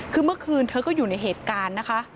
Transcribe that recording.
คือเมื่อคืนเธอก็อยู่ในเหตุการณ์นะคะ